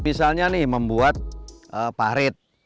misalnya nih membuat parit